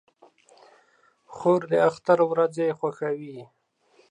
خور د اختر ورځې خوښوي.